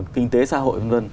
kinh tế xã hội v v